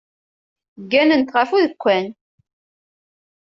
Gganent ɣef udekkan.